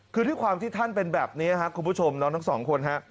คือด้วยความที่ท่านเป็นแบบนี้ครับคุณผู้ชมน้องทั้งสองคนฮะ